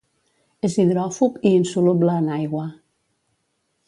És hidròfob i insoluble en aigua.